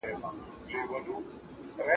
د سبا غم نن مه کوه.